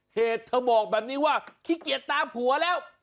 เหตุเธอบอกแบบนี้ว่าขี้เกียจตามผัวแล้ว